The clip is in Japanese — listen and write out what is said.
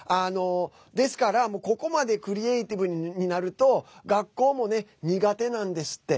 ですからここまでクリエーティブになると学校も苦手なんですって。